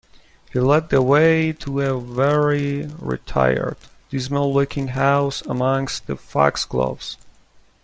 He led the way to a very retired, dismal-looking house amongst the foxgloves.